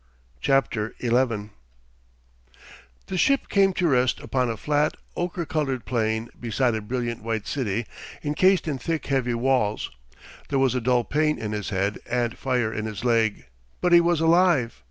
CHAPTER ELEVEN The ship came to rest upon a flat, ochre colored plain beside a brilliant white city encased in thick, heavy walls. There was a dull pain in his head and fire in his leg, but he was alive.